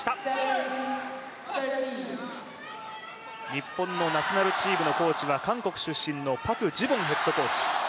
日本のナショナルコーチは韓国出身のパク・ジュボンコーチ。